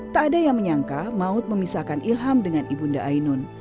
tak ada yang menyangka maut memisahkan ilham dengan ibu nda ainun